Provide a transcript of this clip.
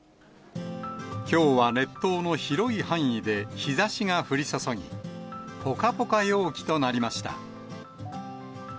きょうは列島の広い範囲で日ざしが降り注ぎ、ぽかぽか陽気となりました。